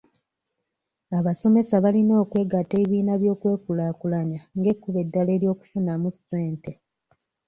Abasomesa balina okwegatta ebibiina by'okwekulaakulanya ng'ekkubo eddala ery'okufunamu ssente.